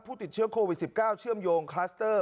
ติดเชื้อโควิด๑๙เชื่อมโยงคลัสเตอร์